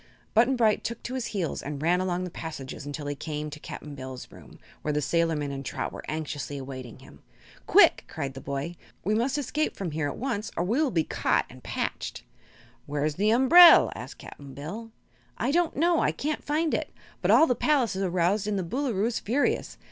Button Bright took to his heels and ran along the passages until he came to Cap'n Bill's room, where the sailorman and Trot were anxiously awaiting him. "Quick!" cried the boy; "we must escape from here at once or we will be caught and patched." "Where's the umbrel?" asked Cap'n Bill. "I don't know. I can't find it. But all the palace is aroused and the Boolooroo is furious.